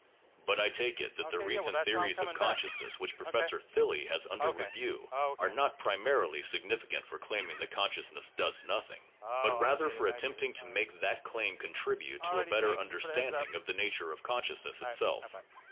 But I take it that the recent theories of consciousness which Professor Thilly has under review are not primarily significant for claiming that consciousness does nothing, but rather for attempting to make that claim contribute to a better under standing of the nature of consciousness itself.